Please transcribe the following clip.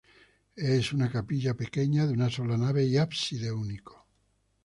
Es una capilla pequeña, de una sola nave y ábside único.